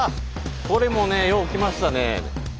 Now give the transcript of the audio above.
これもねよう来ましたね。